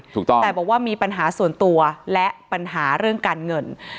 ถูกต้องแต่บอกว่ามีปัญหาส่วนตัวและปัญหาเรื่องการเงิน